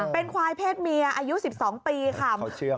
เป็นควายเพศเมียอายุ๑๒ปีค่ะ